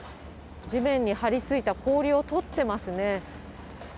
地面に張り付いた氷を取ってますね。